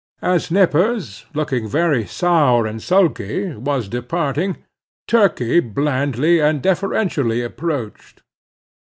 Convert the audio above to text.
As Nippers, looking very sour and sulky, was departing, Turkey blandly and deferentially approached.